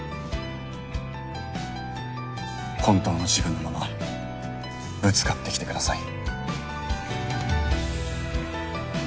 本当の自分のままぶつかってきてください。